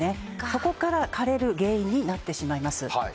そこから枯れる原因になってしまいます。